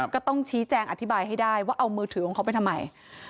ก็ต้องชี้แจงอธิบายให้ได้ว่าเอามือถือของเขาไปทำไม